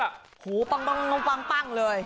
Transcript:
โอ้โหปังเลย